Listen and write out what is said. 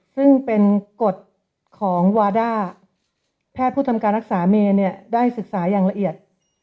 ซึ่งเป็นกฎของวาด้าแพทย์ผู้ทำการรักษาเมย์เนี่ยได้ศึกษาอย่างละเอียด